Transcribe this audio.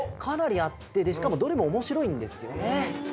かなりあってしかもどれもおもしろいんですよね。